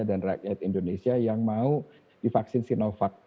dan rakyat indonesia yang mau divaksin sinovac